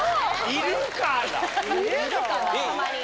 いるかな？